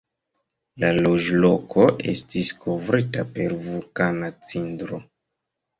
La loĝloko estis kovrita per vulkana cindro.